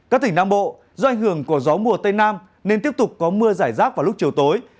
các tỉnh nam bộ do ảnh hưởng của gió mùa tây nam nên tiếp tục có mưa giải rác vào lúc chiều tối